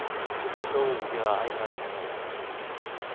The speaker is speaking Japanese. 勝負好きは相変わらずのようだな。